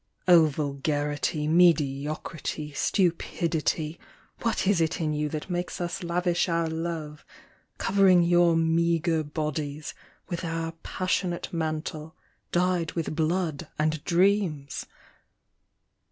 O vulgarity, mediocrity, stupidity, What is it in you that makes us lavish our love, Covering your meagre bodies With our passionate mantle, dyed with blood and dreams